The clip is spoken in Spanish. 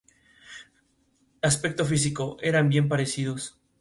Su hábitat favorito parece ser el límite de la plataforma continental.